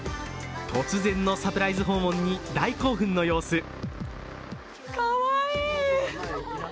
突然のサプライズ訪問に大興奮の様子。